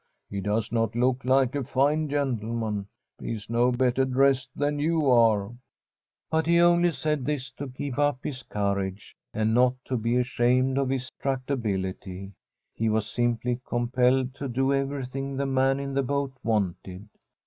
He does not look like a fine frentleman. fte is no better dressed than Toaare.* The Fisherman's RING But he only said this to keep up his courage, and not to be ashamed of his tractability. He was simply compelled to do everything the man in the boat wanted.